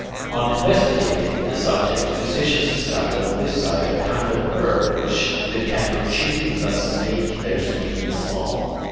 On investigating the subject, physicians discovered on this side a kind of herb which the cattle chew and thus make their spleen small.